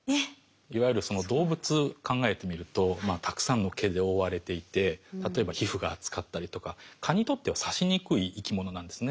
いわゆる動物考えてみるとたくさんの毛で覆われていて例えば皮膚が厚かったりとか蚊にとっては刺しにくい生き物なんですね。